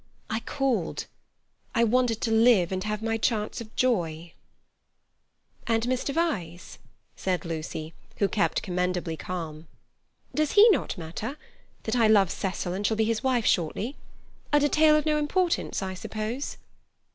I called. I wanted to live and have my chance of joy." "And Mr. Vyse?" said Lucy, who kept commendably calm. "Does he not matter? That I love Cecil and shall be his wife shortly? A detail of no importance, I suppose?"